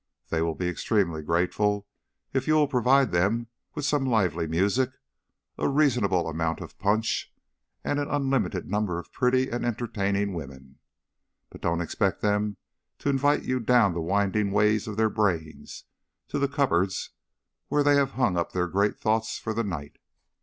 They will be extremely grateful if you will provide them with some lively music, a reasonable amount of punch, and an unlimited number of pretty and entertaining women. But don't expect them to invite you down the winding ways of their brains to the cupboards where they have hung up their great thoughts for the night.